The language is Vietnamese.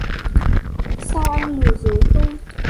sao anh lừa dối tôi